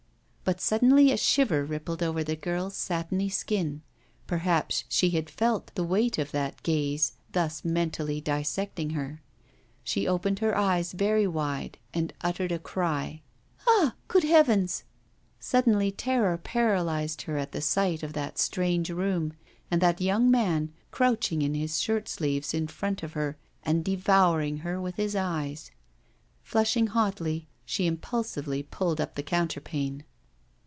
But suddenly a shiver rippled over the girl's satiny skin. Perhaps she had felt the weight of that gaze thus mentally dissecting her. She opened her eyes very wide and uttered a cry. 'Ah! great heavens!' Sudden terror paralysed her at the sight of that strange room, and that young man crouching in his shirt sleeves in front of her and devouring her with his eyes. Flushing hotly, she impulsively pulled up the counterpane.